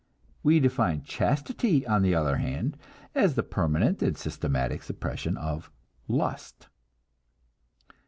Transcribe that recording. We define chastity, on the other hand, as the permanent and systematic suppression of lust.